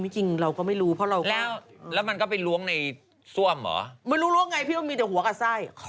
ซ่วมเหรอมันร่วงไงพี่มันมีแต่หัวกับไส้